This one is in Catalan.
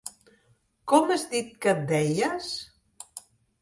Com has dit que et deies?